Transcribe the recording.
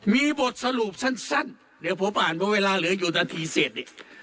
มีบทสรุปสั้นเดี๋ยวผมอ่านเพราะเวลาเหลืออยู่นาทีเสร็จเนี่ย